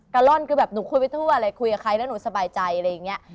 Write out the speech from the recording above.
ล่อนคือแบบหนูคุยไปทั่วเลยคุยกับใครแล้วหนูสบายใจอะไรอย่างนี้